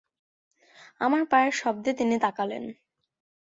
আমার পায়ের শব্দে তিনি তাকালেন।